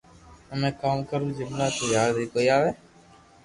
ھمو ڪاو ڪرو جملا تو ياد اي ڪوئي آوي